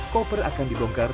koper akan dibomberkan